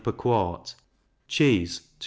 per quart; cheese 2s.